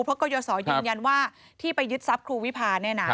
เพราะกรยศยืนยันว่าที่ไปยึดทรัพย์ครูวิพาเนี่ยนะ